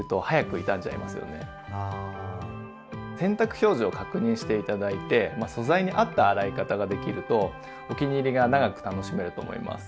「洗濯表示」を確認して頂いて素材に合った洗い方ができるとお気に入りが長く楽しめると思います。